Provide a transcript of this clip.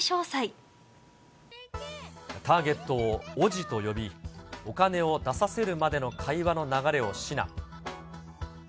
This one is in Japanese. ターゲットをおぢと呼び、お金を出させるまでの会話の流れを指南。